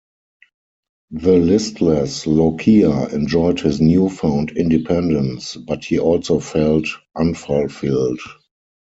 The listless Iaukea enjoyed his new-found independence, but he also felt unfulfilled.